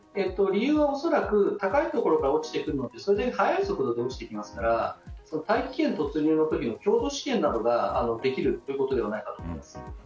理由は恐らく高いところから落ちてくるのでそれだけ速い速度で落ちてくるので大気圏突入の時の強度試験などができるということではないかと思います。